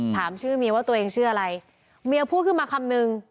ถามชื่อเมียว่าตัวเองชื่ออะไรเมียพูดขึ้นมาคำนึง